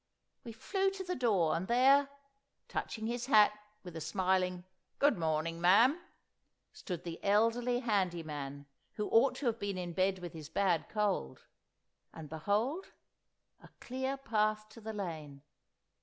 We flew to the door, and there, touching his hat with a smiling "Good morning, ma'am," stood the elderly handy man who ought to have been in bed with his bad cold; and behold, a clear path to the lane.